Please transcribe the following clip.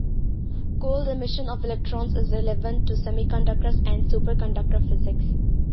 Cold emission of electrons is relevant to semiconductors and superconductor physics.